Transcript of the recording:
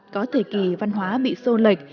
có thời kỳ văn hóa bị sô lệch